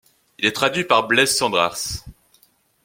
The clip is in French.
Il est traduit par Blaise Cendrars.